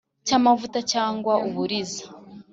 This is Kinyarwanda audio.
Cy amavuta cyangwa uburiza